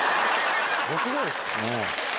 僕がですか？